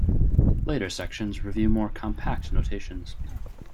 Later sections review more compact notations.